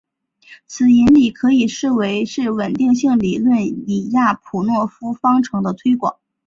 此引理可以视为是稳定性理论李亚普诺夫方程的推广。